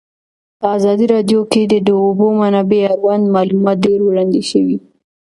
په ازادي راډیو کې د د اوبو منابع اړوند معلومات ډېر وړاندې شوي.